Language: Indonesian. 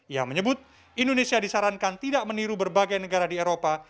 ia menyebut indonesia disarankan tidak meniru berbagai negara di eropa